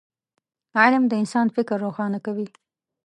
علم د انسان فکر روښانه کوي